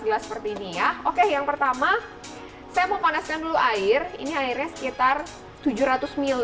bila seperti ini ya oke yang pertama saya mau panaskan dulu air ini airnya sekitar tujuh ratus m